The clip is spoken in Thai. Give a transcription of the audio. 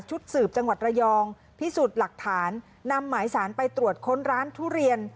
สืบจังหวัดระยองพิสูจน์หลักฐานนำหมายสารไปตรวจค้นร้านทุเรียน